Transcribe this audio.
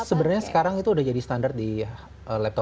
jadi sebenarnya sekarang itu sudah jadi standar di laptop laptop